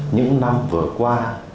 những năm vừa qua